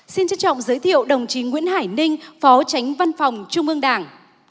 xin trân trọng giới thiệu đồng chí nguyễn hải ninh phó tránh văn phòng trung ương đảng